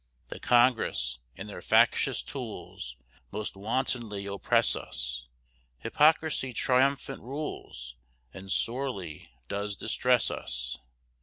The Congress, and their factious tools, Most wantonly oppress us, Hypocrisy triumphant rules, And sorely does distress us.